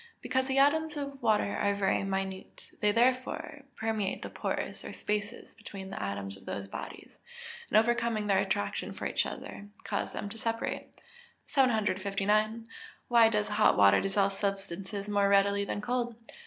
_ Because the atoms of water are very minute; they therefore permeate the pores, or spaces, between the atoms of those bodies, and overcoming their attraction for each other, cause them to separate. 759. _Why does hot water dissolve substances more readily than cold?